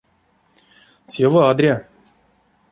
Те вадря.